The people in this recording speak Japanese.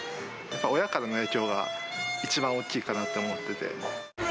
やっぱ親からの影響が一番大きいかなと思ってて。